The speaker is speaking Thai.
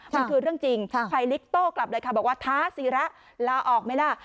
มันคือเรื่องจริงภัยลิกโต้กลับเลยค่ะบอกว่าท้าศีระลาออกไหมล่ะ